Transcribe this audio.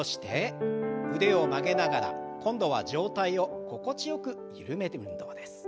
腕を曲げながら今度は上体を心地よく緩める運動です。